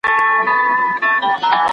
د بشپړتیا وروستی ټکی خیالي ګڼل کیده.